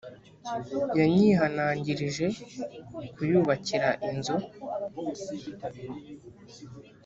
yanyihanangirije kuyubakira inzu